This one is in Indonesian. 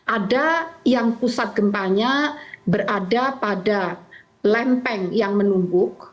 ada yang pusat gempanya berada pada lempeng yang menumpuk